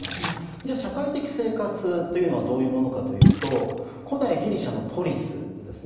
じゃ社会的生活というのはどういうものかというと古代ギリシャのポリスですね